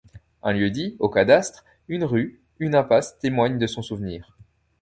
Un lieu-dit au cadastre, une rue, une impasse témoignent de son souvenir.